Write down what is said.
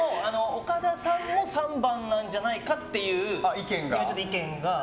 岡田さんも３番なんじゃないかっていう意見が。